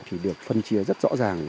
thì được phân chia rất rõ ràng